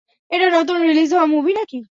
এটা নতুন রিলিজ হওয়া মুভি না-কি?